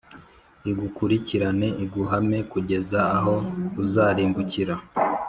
igukurikirane iguhame kugeza aho uzarimbukira